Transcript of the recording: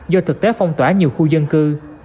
do thực tế phong tỏa nhiều khu dân cư